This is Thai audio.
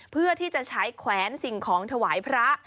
เพื่อที่จะใช้แขวนสิ่งของถวายพระ